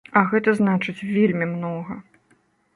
А гэта значыць вельмі многа.